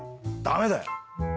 ダメだよ！